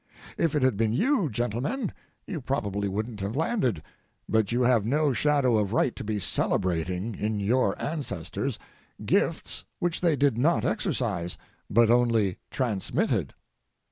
If it had been you, gentlemen, you probably wouldn't have landed, but you have no shadow of right to be celebrating, in your ancestors, gifts which they did not exercise, but only transmitted.